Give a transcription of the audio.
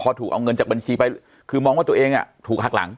พอถูกเอาเงินจากบัญชีไปคือมองว่าตัวเองถูกหักหลัง